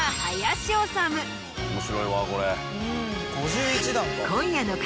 面白いわこれ。